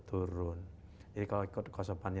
turun jadi kalau cost of fund